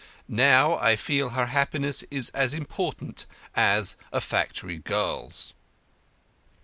Now I feel her happiness is as important as a factory girl's."